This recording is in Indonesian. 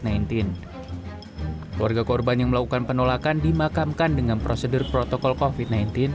keluarga korban yang melakukan penolakan dimakamkan dengan prosedur protokol covid sembilan belas